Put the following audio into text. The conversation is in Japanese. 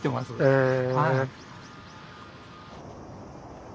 へえ。